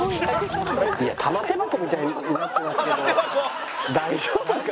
玉手箱みたいになってますけど大丈夫ですか？